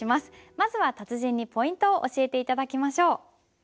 まずは達人にポイントを教えて頂きましょう。